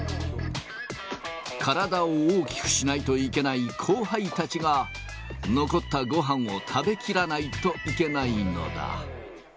体を大きくしないといけない後輩たちが、残ったごはんを食べきらないといけないのだ。